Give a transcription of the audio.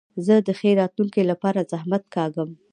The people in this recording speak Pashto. زه د ښې راتلونکي له پاره زحمت کاږم.